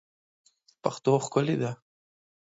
پښتو ښکلې ده